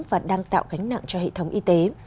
và đang tạo gánh nặng cho hệ thống y tế